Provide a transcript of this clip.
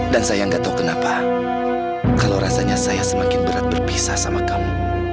dan saya gak tahu kenapa kalau rasanya saya semakin berat berpisah sama kamu